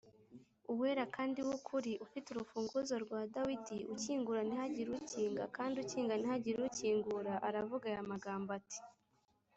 ‘‘ Uwera kandi w’ukuri, ufite urufunguzo rwa Dawidi, ukingura ntihagire ukinga, kandi ukinga ntihagire ukingura; aravuga aya magambo ati